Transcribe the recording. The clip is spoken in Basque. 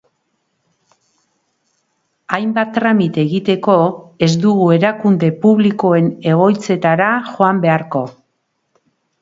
Hainbat tramite egiteko, ez dugu erakunde publikoen egoitzetara joan beharko.